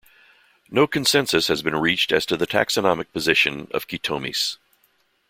No consensus has been reached as to the taxonomic position of "Chaetomys".